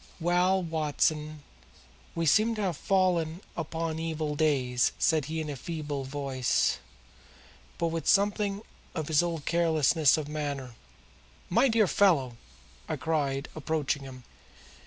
"Well, Watson, we seem to have fallen upon evil days," said he in a feeble voice, but with something of his old carelessness of manner. "My dear fellow!" I cried, approaching him.